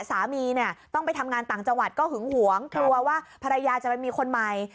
สามีเนี่ยต้องไปทำงานต่างจังหวัดก็หึงหวงกลัวว่าภรรยาจะไปมีคนใหม่